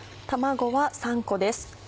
卵は３個です。